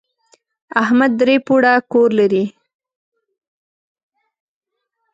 احمد درې پوړه کور لري.